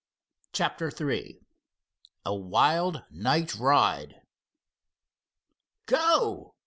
CHAPTER III A WILD NIGHT RIDE "Go!"